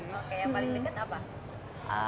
oke yang paling dekat apa